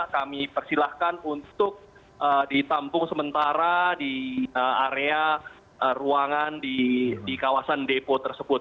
kami persilahkan untuk ditampung sementara di area ruangan di kawasan depo tersebut